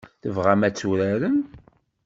Tebɣam ad t-turarem?